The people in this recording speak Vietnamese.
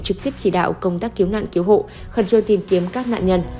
trực tiếp chỉ đạo công tác cứu nạn cứu hộ khẩn trương tìm kiếm các nạn nhân